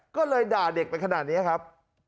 ก็เลยด่าเด็กไปขนาดนี้ครับ